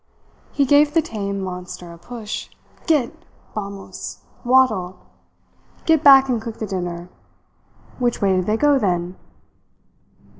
He gave the tame monster a push. "Git! Vamos! Waddle! Get back and cook the dinner. Which way did they go, then?"